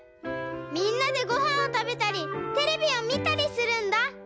みんなでごはんをたべたりテレビをみたりするんだ。